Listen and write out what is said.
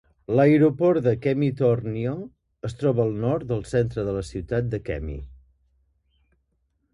L'aeroport de Kemi-Tornio es troba al nord del centre de la ciutat de Kemi.